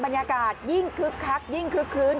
บรรยากาศยิ่งคึกคักยิ่งคลึกคลื้น